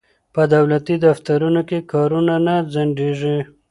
په دولتي دفترونو کې کارونه نه ځنډیږي.